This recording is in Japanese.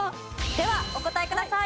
ではお答えください。